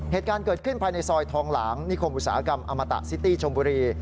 เหตุการณ์เกิดขึ้นภายในซอยทองหลางนิคมอุตสาหกรรมอมตะซิตี้ชมบุรี